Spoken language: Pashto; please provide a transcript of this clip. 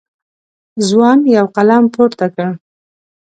ځوان یو قلم پورته کړ.